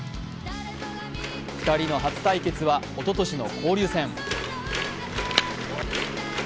２人の初対決は、おととしの交流戦。